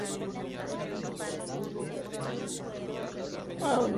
Dado que la Liga Nacional tenía una única categoría, no hubo ascensos ni descensos.